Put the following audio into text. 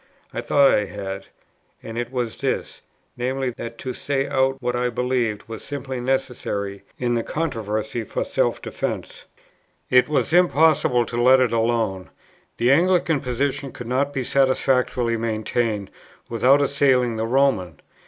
I thought I had, and it was this, viz. that to say out what I believed was simply necessary in the controversy for self defence. It was impossible to let it alone: the Anglican position could not be satisfactorily maintained, without assailing the Roman.